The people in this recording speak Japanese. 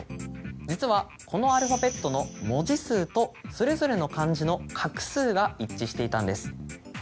実はこのアルファベットの文字数とそれぞれの漢字の画数が一致していたんです。